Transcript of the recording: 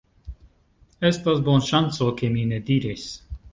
Estas bonŝanco, ke mi ne diris: